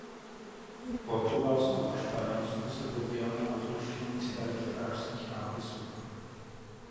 V Portugalsku a Španělsku se podílel na rozluštění starých arabských nápisů.